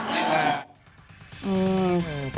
ยังอยู่ค่ะ